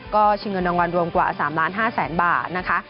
ก็ชิงเงินรางวัลรวมกว่า๓ล้าน๕แสนบาทนะคะ